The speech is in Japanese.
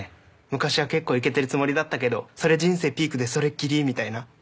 昔は結構イケてるつもりだったけどそれ人生ピークでそれっきりみたいな。